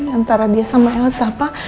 antara dia sama elsa pa